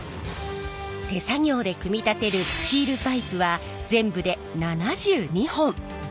手作業で組み立てるスチールパイプは全部で７２本！